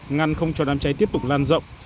ngăn không cho đám cháy tiếp tục lan rộng